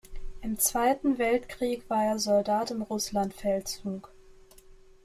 Im Zweiten Weltkrieg war er Soldat im Russlandfeldzug.